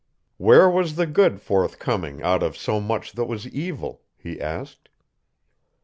Where was the good forthcoming out of so much that was evil, he asked?